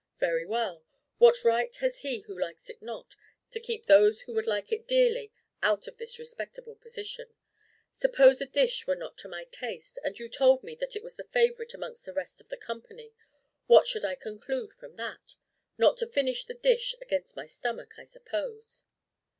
Very well. What right has he who likes it not, to keep those who would like it dearly out of this respectable position? Suppose a dish were not to my taste, and you told me that it was a favourite amongst the rest of the company, what should I conclude from that? Not to finish the dish against my stomach, I suppose.